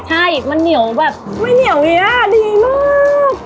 ใช่มันเหนียวแบบมั้ยเหนียวเองอะดีมาก